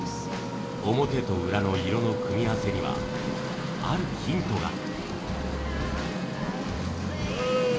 表と裏の色の組み合わせにはあるヒントが。